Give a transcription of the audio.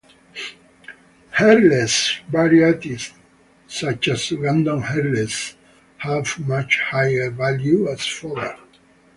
Hairless varieties, such as Ugandan hairless, have much higher value as fodder.